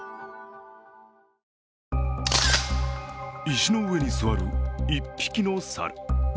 石の上に座る１匹の猿。